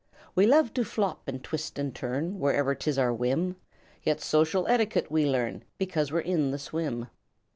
"We love to flop and twist and turn Whenever 'tis our whim. Yet social etiquette we learn Because we're in the swim.